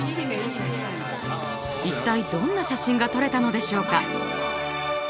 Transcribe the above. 一体どんな写真が撮れたのでしょうか？